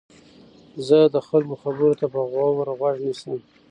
زه د خلکو خبرو ته په غور غوږ نیسم.